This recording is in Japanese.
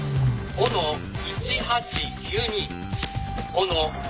「“お”の１８−９２」